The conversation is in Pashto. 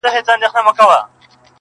ما ویل زه به ستا ښایستې سینې ته!.